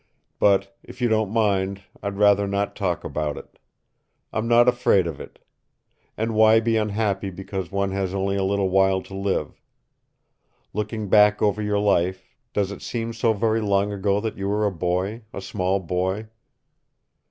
"But, if you don't mind, I'd rather not talk about it. I'm not afraid of it. And why be unhappy because one has only a little while to live? Looking back over your life, does it seem so very long ago that you were a boy, a small boy?"